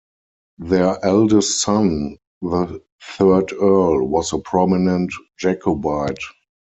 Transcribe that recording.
Their eldest son, the third Earl, was a prominent Jacobite.